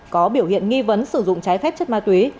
có biểu hiện nghi vấn sử dụng trái phép chất ma túy